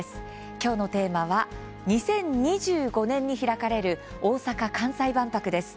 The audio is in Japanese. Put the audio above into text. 今日のテーマは２０２５年に開かれる大阪・関西万博です。